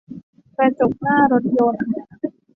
กระจกหน้ารถยนต์